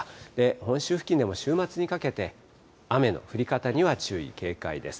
本州付近でも週末にかけて雨の降り方には注意が必要です。